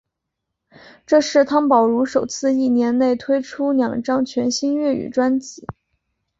这是汤宝如首次一年内推出两张全新粤语专辑。